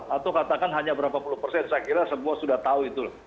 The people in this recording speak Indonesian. atau katakan hanya berapa puluh persen saya kira semua sudah tahu itu